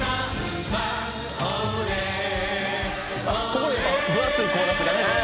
「ここでやっぱ分厚いコーラスがね」